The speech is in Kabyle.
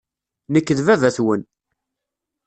Nekk d baba-twen.